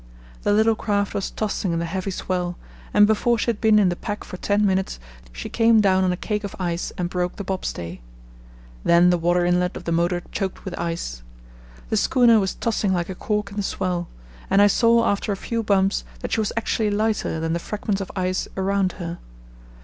The little craft was tossing in the heavy swell, and before she had been in the pack for ten minutes she came down on a cake of ice and broke the bobstay. Then the water inlet of the motor choked with ice. The schooner was tossing like a cork in the swell, and I saw after a few bumps that she was actually lighter than the fragments of ice around her.